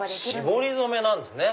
絞り染めなんですね！